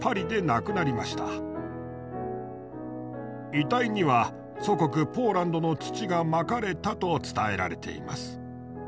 遺体には祖国ポーランドの土がまかれたと伝えられています。